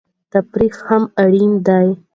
تفریح هم اړینه ده.